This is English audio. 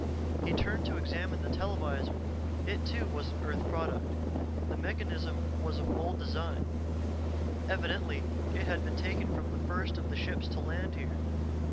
He turned to examine the televisor. It, too, was an earth product. The mechanism was of old design; evidently it had been taken from the first of the ships to land here.